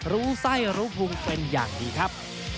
รู้ไส้รู้พุงเป็นอย่างดีครับ